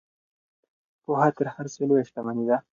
پوهه تر هر څه لویه شتمني ده.